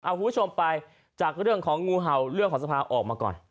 คุณผู้ชมไปจากเรื่องของงูเห่าเรื่องของสภาออกมาก่อน